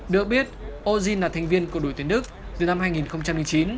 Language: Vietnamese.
được biết ozin là thành viên của đội tuyển đức từ năm hai nghìn chín